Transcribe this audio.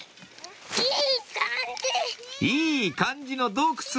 いい感じの洞窟